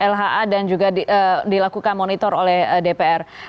lha dan juga dilakukan monitor oleh dpr